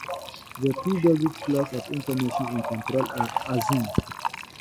The two basic flows of information and control are assumed.